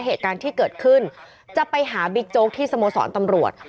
เหตุการณ์ที่เกิดขึ้นจะไปหาบิ๊กโจ๊กที่สโมสรตำรวจ